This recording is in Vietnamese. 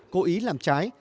cố ý làm trái